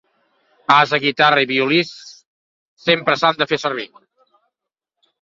Ase, guitarra i violí, sempre s'han de fer servir.